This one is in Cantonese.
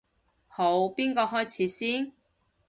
好，邊個開始先？